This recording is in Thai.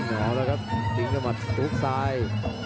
อ๋อแล้วครับติ๊งกับหมัดสุดทุกซ้าย